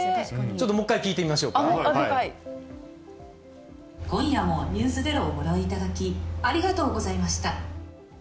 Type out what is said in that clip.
ちょっともう一回、聞いてみ今夜もｎｅｗｓｚｅｒｏをご覧いただき、ありがとうございました。